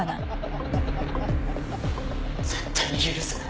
「絶対に許せない。